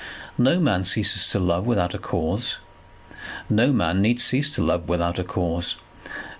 No man ceases to love without a cause. No man need cease to love without a cause.